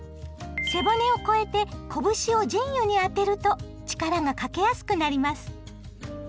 背骨を越えて拳を腎兪に当てると力がかけやすくなります。